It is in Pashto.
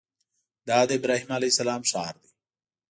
دا د ابراهیم علیه السلام ښار دی.